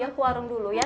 ya ke warung dulu ya